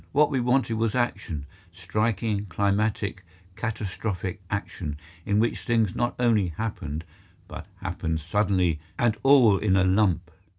What we wanted was action—striking, climatic, catastrophic action, in which things not only happened, but happened suddenly and all in a lump.